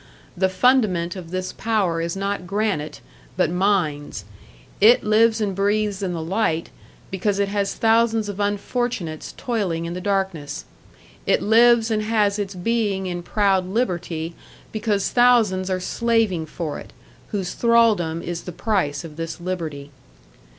The fundament of this power is not granite, but mines. It lives and breathes in the light, because it has thousands of unfortunates toiling in the darkness. It lives and has its being in proud liberty because thousands are slaving for it, whose thraldom is the price of this liberty.